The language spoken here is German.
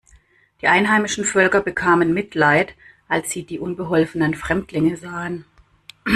Die einheimischen Völker bekamen Mitleid, als sie die unbeholfenen Fremdlinge sahen.